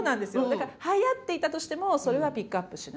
だからはやっていたとしてもそれはピックアップしない。